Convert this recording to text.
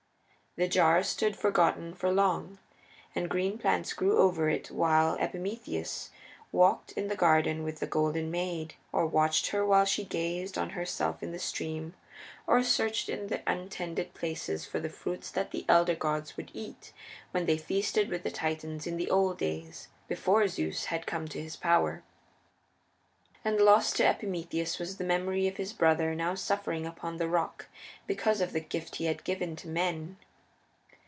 The jar stood forgotten for long, and green plants grew over it while Epimetheus walked in the garden with the Golden Maid, or watched her while she gazed on herself in the stream, or searched in the untended places for the fruits that the Elder Gods would eat, when they feasted with the Titans in the old days, before Zeus had come to his power. And lost to Epimetheus was the memory of his brother now suffering upon the rock because of the gift he had given to men.